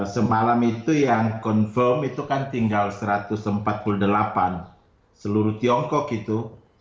semalam itu yang confirm itu kan tinggal satu ratus empat puluh delapan seluruh tiongkok itu